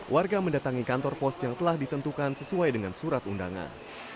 warga mendatangi kantor pos yang telah ditentukan sesuai dengan surat undangan